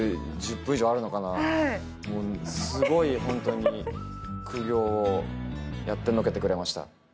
すごい本当に苦行をやってのけてくれました。